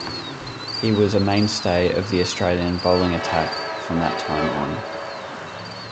He was a mainstay of the Australian bowling attack from that time on.